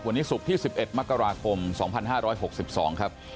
วันนี้ศุกร์ที่๑๑มกราคม๒๕๖๒ครับ